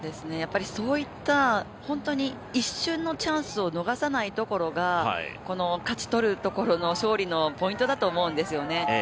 そういった一瞬のチャンスを逃さないところが勝ち取るところの勝利のポイントだと思うんですね。